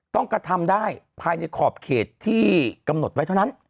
กระทำได้ภายในขอบเขตที่กำหนดไว้เท่านั้น